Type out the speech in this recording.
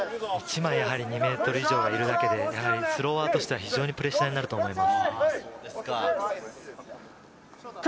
１枚２ｍ以上がいるだけで、スロワーとしては非常にプレッシャーになると思います。